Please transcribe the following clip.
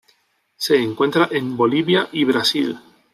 Se encuentra en Bolivia y Brasil.